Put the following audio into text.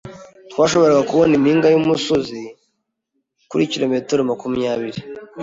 Twashoboraga kubona impinga yumusozi kuri kilometero makumyabiri.